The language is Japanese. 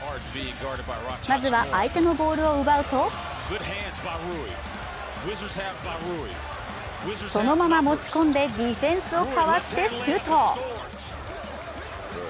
まずは相手のボールを奪うとそのまま持ち込んでディフェンスをかわしてシュート。